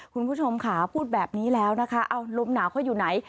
คุณผู้ชมค่ะพูดแบบนี้แล้วนะคะเอาลมหนาวเขาอยู่ไหน